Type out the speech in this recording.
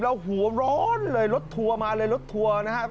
แล้วหัวร้อนเลยรถทัวร์มาเลยรถทัวร์นะครับ